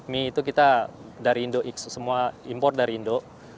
mie itu kita dari semua import dari indo